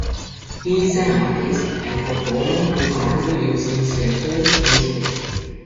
He is an artist and performer who currently lives in Seattle, Washington.